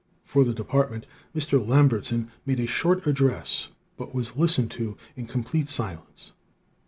For the department, Mr. Lambertson made a short address, but was listened to in complete silence.